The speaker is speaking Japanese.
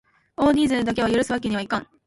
多人数だけは許すわけにはいかん！